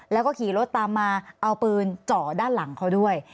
แล้วก็ขี่รถตามมาเอาปืนเจาะด้านหลังเขาด้วย